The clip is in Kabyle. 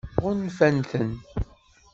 Ɣunfan-ten?